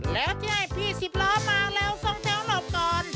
และที่ให้พี่สิบล้อมาแล้วส่องแถวหลอบก่อน